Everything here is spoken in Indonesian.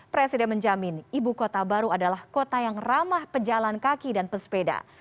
presiden menjamin ibu kota baru adalah kota yang ramah pejalan kaki dan pesepeda